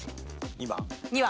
２番。